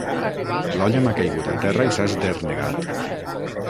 L'olla m'ha caigut a terra i s'ha esdernegat.